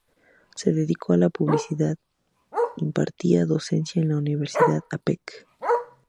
Se dedicó a la publicidad; impartía docencia en la Universidad Apec.